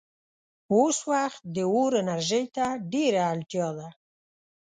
اوس وخت د اور انرژۍ ته ډېره اړتیا ده.